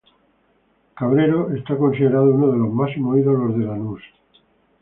Cabrero es considerado uno de los máximos ídolos de Lanús.